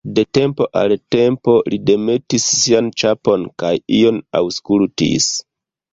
De tempo al tempo li demetis sian ĉapon kaj ion aŭskultis.